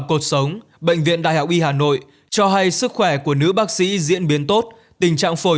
cột sống bệnh viện đại học y hà nội cho hay sức khỏe của nữ bác sĩ diễn biến tốt tình trạng phổi